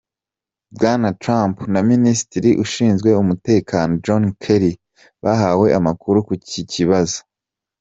Bwana Trump na minisitiri ushinzwe umutekano John Kelly bahawe amakuru ku iki kibazo.